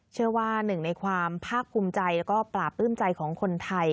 เชื่อว่าหนึ่งในความภาคภูมิใจแล้วก็ปราบปลื้มใจของคนไทย